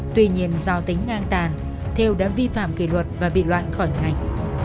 tuy nhiên do tính ngang tàn thêu đã vi phạm kỷ luật và bị loạn khỏi ngành